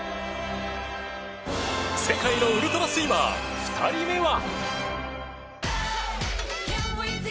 世界のウルトラスイマー２人目は。